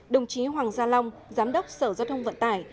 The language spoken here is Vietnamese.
đồng chí hoàng gia long giám đốc sở giao thông vận tải